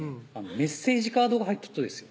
メッセージカードが入っとっとですよ